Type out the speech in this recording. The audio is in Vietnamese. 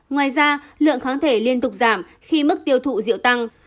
ngoài ra lượng kháng thể liên tục giảm khi mức tiêu thụ rượu tăng